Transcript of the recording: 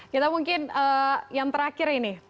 kita mungkin yang terakhir ini